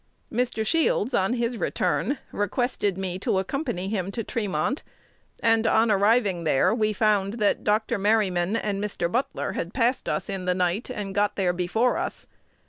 Mr. Shields, on his return, requested me to accompany him to Tremont; and, on arriving there, we found that Dr. Merryman and Mr. Butler had passed us in the night, and got there before us.